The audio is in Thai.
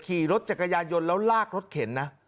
ขี่รถจักรยานยนต์แล้วลากรถเข็นนะ